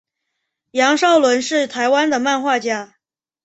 杨邵伦是台湾的漫画家。